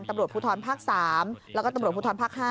ตำรวจภูทรภาค๓แล้วก็ตำรวจภูทรภาค๕